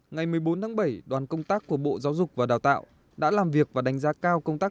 ngày một mươi bốn tháng bảy đoàn công tác của bộ giáo dục và đào tạo đã làm việc và đánh giá cao công tác